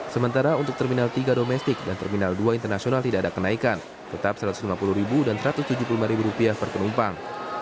sementara untuk terminal tiga domestik dan terminal dua internasional tidak ada kenaikan tetap satu ratus lima puluh ribu dan satu ratus tujuh puluh sembilan ribu rupiah per penumpang